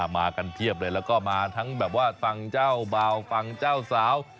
มากันเพียบเลยแล้วก็มาทั้งแบบว่าฟังเจ้าเบาฟังเจ้าสาว